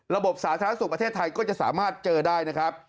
สาธารณสุขประเทศไทยก็จะสามารถเจอได้นะครับ